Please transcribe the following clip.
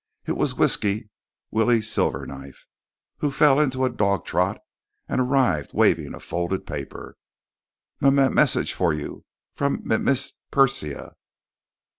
It was Whisky Willie Silverknife, who fell into a dog trot and arrived waving a folded paper. "M m message for you. From M Miss Persia."